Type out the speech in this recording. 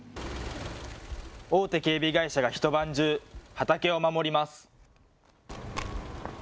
大手警備会社が一晩中、畑を守ります。